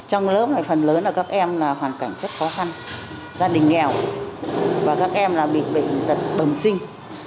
trong lớp này phần lớn là các em là hoàn cảnh rất khó khăn gia đình nghèo và các em là bị bệnh tật bầm sinh